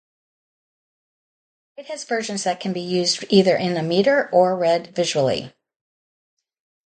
It has versions that can be used either in a meter or read visually.